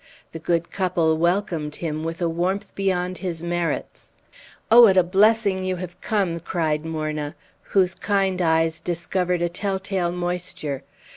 The good couple welcomed him with a warmth beyond his merits. "Oh, what a blessing you have come!" cried Morna, whose kind eyes discovered a tell tale moisture.